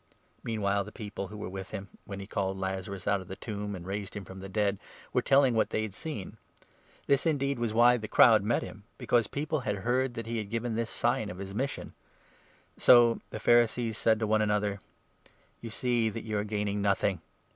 Meanwhile the people who 17 were with him, when he called Lazarus out of the tomb and raised him from the dead, .were telling what they had seen. This, indeed, was why the crowd met him — because people had 18 heard that he had given this sign of his mission. So the 19 Pharisees said to one another :" You see that you are gaining nothing